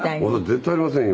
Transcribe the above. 絶対ありませんよ。